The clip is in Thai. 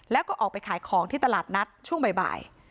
แล้วก็ออกไปขายของที่ตลาดนัดช่วงบ่าย